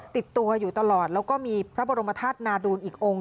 ติดตัวอยู่ตลอดแล้วก็มีพระบรมธาตุนาดูลอีกองค์